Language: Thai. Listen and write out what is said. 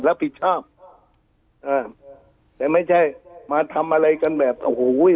รับผิดชอบอ่าแต่ไม่ใช่มาทำอะไรกันแบบโอ้โห